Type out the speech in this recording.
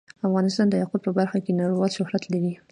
افغانستان د یاقوت په برخه کې نړیوال شهرت لري.